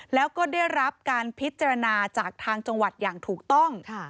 แล้วก็ได้รับการพิจารณาจากทางจังหวัดอย่างถูกต้อง